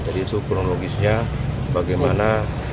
jadi itu kronologisnya bagaimana